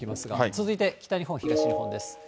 続いて北日本、東日本です。